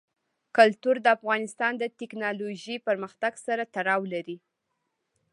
کلتور د افغانستان د تکنالوژۍ پرمختګ سره تړاو لري.